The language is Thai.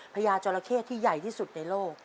ญาจราเข้ที่ใหญ่ที่สุดในโลก